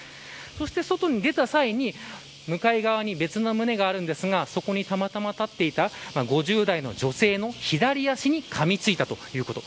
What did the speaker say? そして、外に出た際に向かい側に別の棟があるんですがそこにたまたま立っていた５０代の女性の左足にかみついたということ。